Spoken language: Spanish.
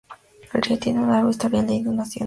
El río tiene un largo historial de inundaciones.